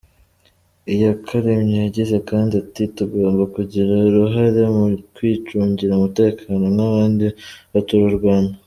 Iyakaremye yagize kandi ati :"Tugomba kugira uruhare mu kwicungira umutekano nk’abandi baturarwanda.